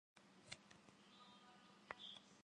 Adıger zexhuezeşeş, neğuêyr zeşezebleç'ş.